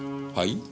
はい？